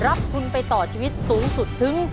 รับทุนไปต่อชีวิตสูงสุดถึง